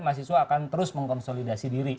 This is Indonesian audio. mahasiswa akan terus mengkonsolidasi diri